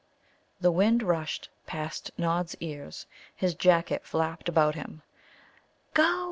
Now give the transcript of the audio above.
The wind rushed past Nod's ears; his jacket flapped about him. "Go!"